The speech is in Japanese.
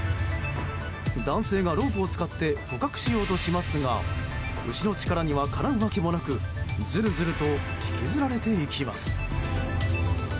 男性がロープを使って捕獲しようとしますが牛の力には、かなうわけもなくずるずると引きずられていきます。